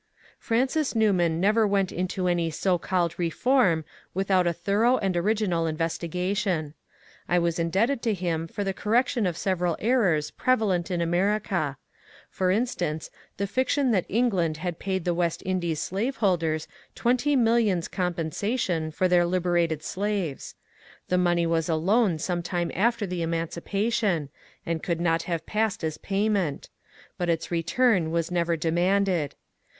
Francis Newman never went into any so called ^* Reform " without a thorough and original investigation. I was in debted to him for the correction of several errors prevalent in America ; for instance, the fiction that England had paid the West Indian slaveholders twenty millions *' compensa tion " for their liberated slaves. The money was a loan some time after the emancipation, and could not have passed as payment ; but its return was never demanded.